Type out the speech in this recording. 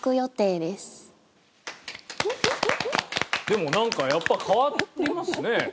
でもなんかやっぱ変わりますね。